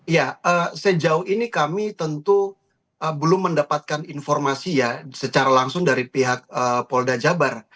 ya sejauh ini kami tentu belum mendapatkan informasi ya secara langsung dari pihak polda jabar